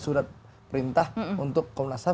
surat perintah untuk komnas ham